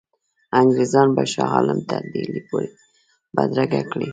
انګرېزان به شاه عالم تر ډهلي پوري بدرګه کړي.